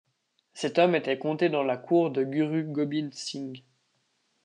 Cet homme était compté dans la cour de Guru Gobind Singh.